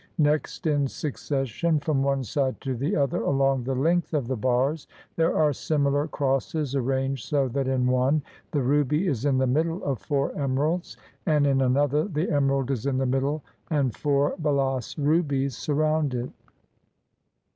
Next in succes sion, from one side to the other along the length of the bars there are similar crosses, arranged so that in one the ruby is in the middle of four emeralds, and in another the emerald is in the middle and four balass rubies surround it.